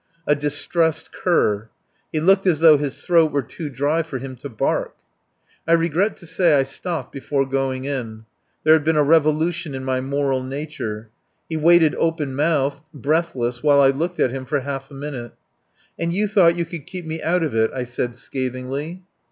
A distressed cur. He looked as though his throat were too dry for him to bark. I regret to say I stopped before going in. There had been a revolution in my moral nature. He waited open mouthed, breathless, while I looked at him for half a minute. "And you thought you could keep me out of it," I said scathingly.